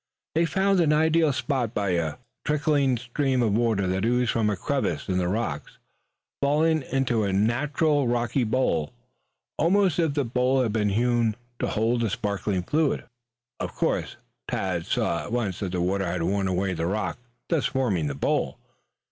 They found an ideal spot by a trickling stream of water that oozed from a crevice in the rocks, falling into a natural rocky bowl, almost if the bowl had been hewn to hold the sparkling fluid. Of course Tad saw at once that the water had worn away the rock, thus forming the bowl.